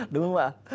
đúng không ạ